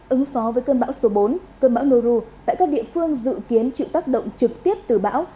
ứng phó với cơn bão số bốn cơn bão nu tại các địa phương dự kiến chịu tác động trực tiếp từ bão